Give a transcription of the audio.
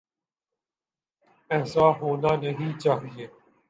ایسا ہونا نہیں چاہیے۔